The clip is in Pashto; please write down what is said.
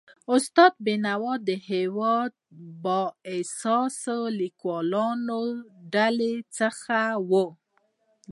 استاد بینوا د هيواد د با احساسه لیکوالانو له ډلې څخه و.